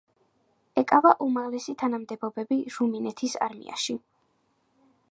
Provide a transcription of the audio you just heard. ეკავა უმაღლესი თანამდებობები რუმინეთის არმიაში.